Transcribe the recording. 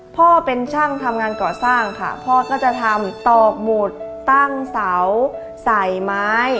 พ่อเป็นช่างทำงานก่อสร้างค่ะพ่อก็จะทำตอกหมุดตั้งเสาใส่ไม้